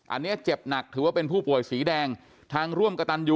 อันนี้เจ็บหนักถือว่าเป็นผู้ป่วยสีแดงทางร่วมกระตันยู